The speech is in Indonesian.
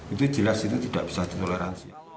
itu jelas itu tidak bisa ditoleransi